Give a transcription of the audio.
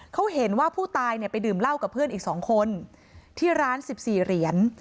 เขาเห็นว่าผู้ตายเนี่ยไปดื่มเหล้ากับเพื่อนอีก๒คนที่ร้าน๑๔เหรียญ